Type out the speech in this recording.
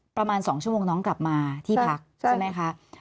ประมาณ๒ชั่วโมงน้องกลับมาที่พักใช่ไหมคะ